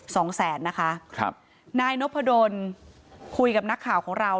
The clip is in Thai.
สองแสนนะคะครับนายนพดลคุยกับนักข่าวของเรา